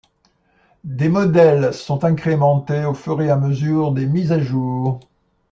Des modèles sont incrémentés au fur et à mesure des mises à jour.